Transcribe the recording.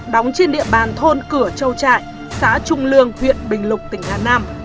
đóng trên địa bàn thôn cửa châu trại xã trung lương huyện bình lục tỉnh hà nam